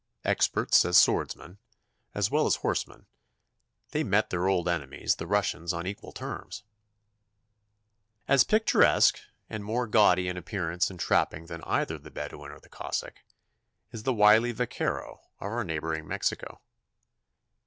Experts as swordsmen, as well as horsemen, they met their old enemies, the Russians, on equal terms. As picturesque, and more gaudy in appearance and trapping than either the Bedouin or the Cossack, is the wily Vacquero of our neighboring Mexico.